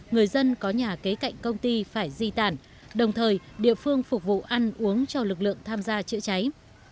người dân có nhà kế cạnh công ty phải di tản đồng thời địa phương phục vụ ăn uống cho lực lượng tham gia chữa cháy